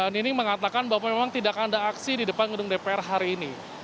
nining mengatakan bahwa memang tidak ada aksi di depan gedung dpr hari ini